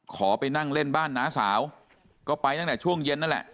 ขอไปนั่งเล่นบ้านน้าสาวก็ไปตั้งแต่ช่วงเย็นนั่นแหละ